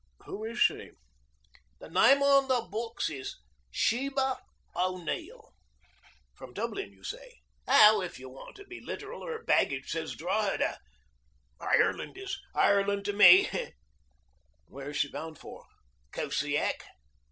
"Who is she?" "The name on the books is Sheba O'Neill." "From Dublin, you say." "Oh, if you want to be literal, her baggage says Drogheda. Ireland is Ireland to me." "Where is she bound for?" "Kusiak."